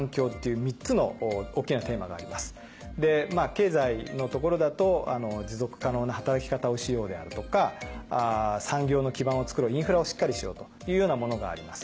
経済のところだと持続可能な働き方をしようであるとか産業の基盤をつくろうインフラをしっかりしようというようなものがあります。